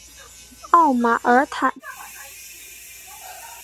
奥马尔坦。